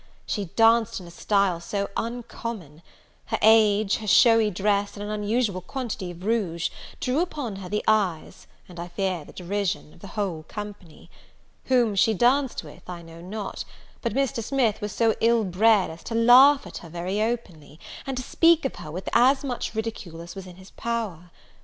She danced in a style so uncommon; her age, her showy dress, and an unusual quantity of rouge, drew upon her the eyes, and I fear the derision, of the whole company. Whom she danced with, I know not; but Mr. Smith was so ill bred as to laugh at her very openly, and to speak of her with as much ridicule as was in his power.